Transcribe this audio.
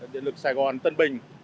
điện lực sài gòn tân bình